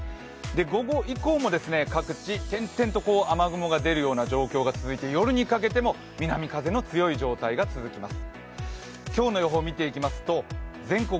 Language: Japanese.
午後以降も各地、点々と雨雲が出るような状況が続きまして夜にかけても南風の強い状態が続きます。